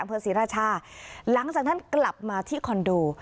อำเภอศรีราชาหลังจากนั้นกลับมาที่คอนโด